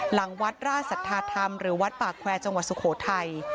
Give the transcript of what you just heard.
หลังวัดราชสัทธาธรรมหรือวัดปากแควร์จังหวัดสุโขทัย